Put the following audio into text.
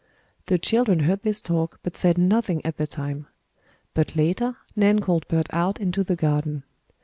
The children heard this talk, but said nothing at the time. But later Nan called Bert out into the garden.